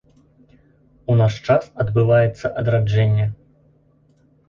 У наш час адбываецца адраджэнне.